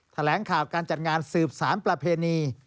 แถลงข่าวการจัดงานสืบสารประเพณี